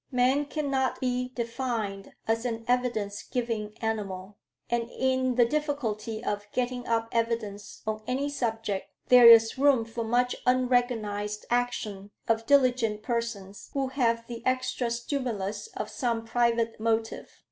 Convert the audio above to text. Man cannot be defined as an evidence giving animal; and in the difficulty of getting up evidence on any subject, there is room for much unrecognized action of diligent persons who have the extra stimulus of some private motive.